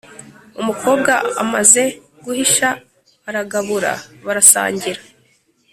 Umukobwa amaze guhisha aragabura barasangira